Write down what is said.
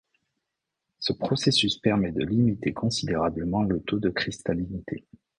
Ce processus permet de limiter considérablement le taux de cristallinité.